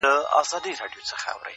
په يوه تاخته يې پى كړله مزلونه،